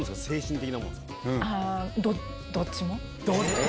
どっちも？